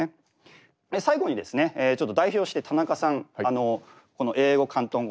最後にですねちょっと代表して田中さんこの英語広東語